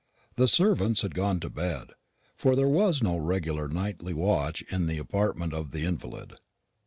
The servants had gone to bed, for there was no regular nightly watch in the apartment of the invalid.